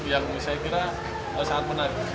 yang saya kira sangat menarik